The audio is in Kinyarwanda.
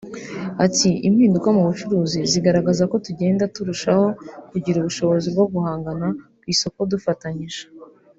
Ati″Impinduka mu bucuruzi zigaragaza ko tugenda turushaho kugira ubushobozi bwo guhangana ku isoko dufatanyije